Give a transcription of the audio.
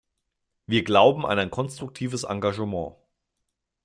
Wir glauben an ein konstruktives Engagement.